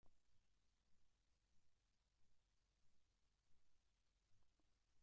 Intramuscular, intravenosa y oral.